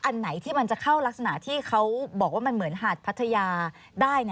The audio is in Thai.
อันไหนที่มันจะเข้ารักษณะที่เขาบอกว่ามันเหมือนหาดพัทยาได้